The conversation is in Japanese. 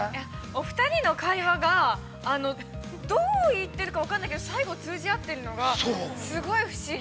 ◆お二人の会話が、どういってるか分かんないけど、最後通じ合ってるのがすごい不思議。